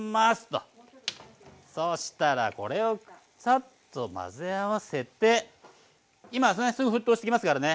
そしたらこれをサッと混ぜ合わせて今すぐ沸騰してきますからね。